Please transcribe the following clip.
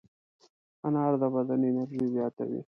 انار د بدن انرژي زیاتوي.